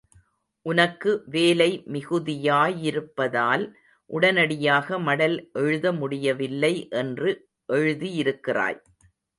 உனக்கு வேலை மிகுதியாயிருப்பதால் உடனடியாக மடல் எழுத முடியவில்லை என்று எழுதியிருக்கிறாய்.